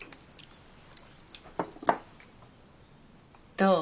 どう？